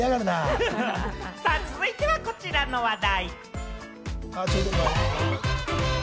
続いてはこちらの話題。